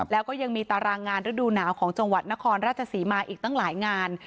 แล้วก็ยังมีตารางงานฤดูหนาวของจังหวัดนครราชศรีมาอีกตั้งหลายงาน